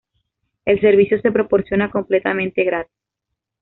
El servicio se proporciona completamente gratis.